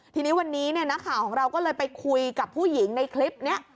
ทีนี้วันนี้นักข่าวของเราก็เลยไปคุยกับผู้หญิงในคลิปนี้